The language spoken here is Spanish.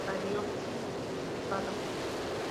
Cariopsis surcada.